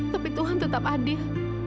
tapi tuhan tetap adil